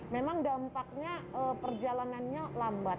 memang dampaknya perjalanannya lambat